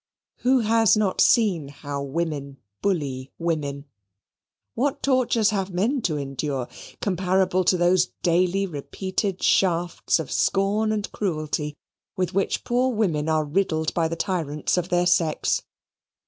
Who has not seen how women bully women? What tortures have men to endure, comparable to those daily repeated shafts of scorn and cruelty with which poor women are riddled by the tyrants of their sex?